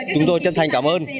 chúng tôi chân thành cảm ơn